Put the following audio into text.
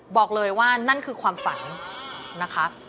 บอกเลยว่านั่นคือความฝันนะคะ